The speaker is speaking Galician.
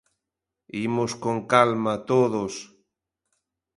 Imos con calma todos.